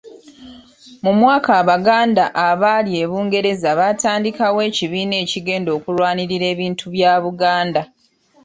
Mu mwaka abaganda abaali e bungereza baatandikawo ekibiina ekigenda okulwanirira ebintu bya Buganda.